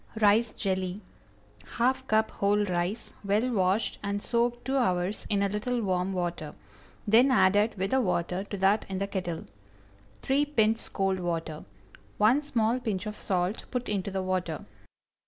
RICE JELLY. ✠ ½ cup whole rice, well washed and soaked two hours in a little warm water; then added, with the water, to that in the kettle. 3 pints cold water. 1 small pinch of salt, put into the water.